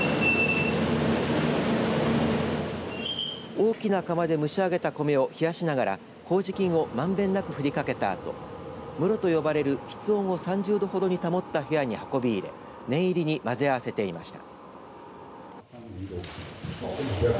大きな釜で蒸し上げた米を冷やしながらこうじ菌をまんべんなく振りかけたあと室と呼ばれる室温を３０度ほどに保った部屋に運び入れ念入りに混ぜ合わせていました。